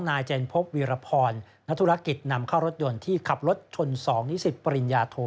นายเจนพบวีรพรนักธุรกิจนำเข้ารถยนต์ที่ขับรถชน๒นิสิตปริญญาโท